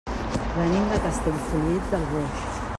Venim de Castellfollit del Boix.